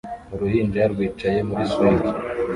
Uruhinja rwicaye muri swing